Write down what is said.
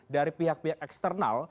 dari pihak pihak eksternal